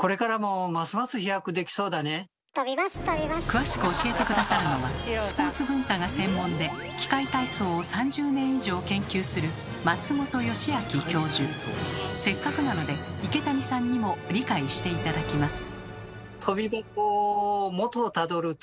詳しく教えて下さるのはスポーツ文化が専門で器械体操を３０年以上研究するせっかくなので池谷さんにも理解して頂きます。